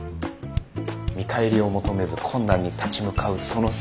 見返りを求めず困難に立ち向かうその姿。